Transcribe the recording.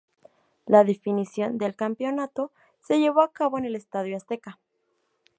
La definición del campeonato se llevó a cabo en el Estadio Azteca.